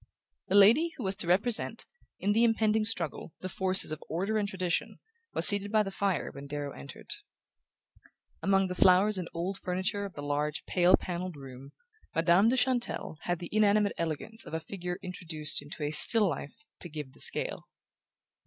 The lady who was to represent, in the impending struggle, the forces of order and tradition was seated by the fire when Darrow entered. Among the flowers and old furniture of the large pale panelled room, Madame de Chantelle had the inanimate elegance of a figure introduced into a "still life" to give the scale.